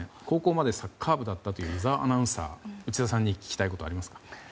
高校までサッカー部だったという井澤アナウンサー、内田さんに聞きたいことはありますか？